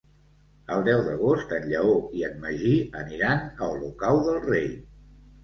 El deu d'agost en Lleó i en Magí aniran a Olocau del Rei.